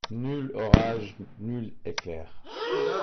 Nul orage, nul éclair.